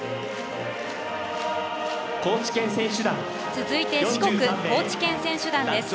続いて四国高知県選手団です。